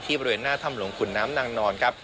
ที่บริเวณหน้าถ้ำรวงขุนน้ำนางนอน